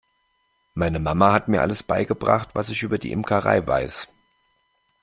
Meine Mama hat mir alles beigebracht, was ich über die Imkerei weiß.